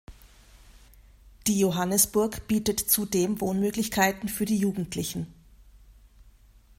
Die Johannesburg bietet zudem Wohnmöglichkeiten für die Jugendlichen.